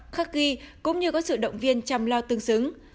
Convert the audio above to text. khắc ghi cũng như có sự động viên chăm lo tương xứng